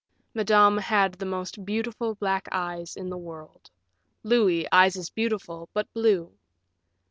Madame had the most beautiful black eyes in the world; Louis, eyes as beautiful, but blue.